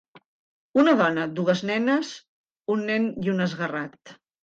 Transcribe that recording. Una dona, dues nenes, un nen i un esguerrat.